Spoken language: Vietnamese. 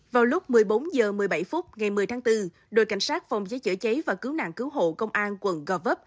vào lúc một mươi bốn h một mươi bảy phút ngày một mươi tháng bốn đội cảnh sát phòng cháy chữa cháy và cứu nạn cứu hộ công an quận gò vấp